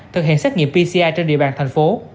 thực hiện xét nghiệm pci trên địa bàn thành phố